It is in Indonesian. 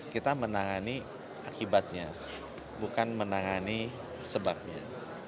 kita menangani akibatnya bukan menangani sebabnya